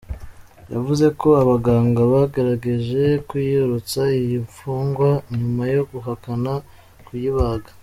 Yavuze ko abaganga bagerageje kuyirutsa iyi mfungwa nyuma yo guhakana kuyibaga.